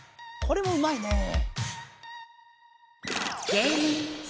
これもうまいね！